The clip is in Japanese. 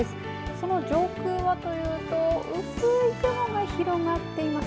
その上空は、というと薄い雲が広がっています。